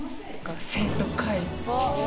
生徒会室。